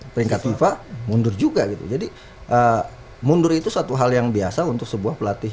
peringkat fifa mundur juga gitu jadi mundur itu satu hal yang biasa untuk sebuah pelatih